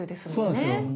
そうなんですよ。